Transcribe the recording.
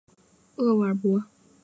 厄尔伯。